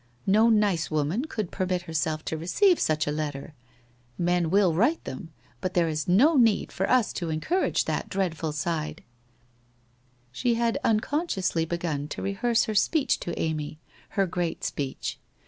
No nice woman could permit herself to receive such a letter ! Men will write them, but there is no need for us to encourage that dreadful side ' She had unconsciously begun to rehearse her speech to Amy, her great speech.